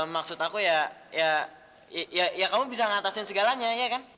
maksud aku ya ya kamu bisa ngatasin segalanya ya kan